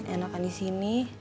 enakan di sini